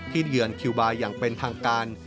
เยือนคิวบาร์อย่างเป็นทางการ